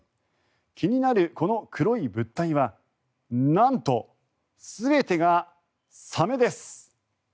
気になるこの黒い物体はなんと全てがサメです。